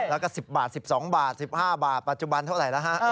แล้วก็๑๐บาท๑๒บาท๑๕บาทปัจจุบันเท่าไหร่แล้วฮะ